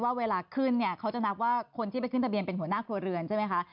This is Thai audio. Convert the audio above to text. เวลาขึ้นเนี่ยเขาจะนับว่าคนที่ไปขึ้นทะเบียนเป็นหัวหน้าครัวเรือนใช่ไหมคะ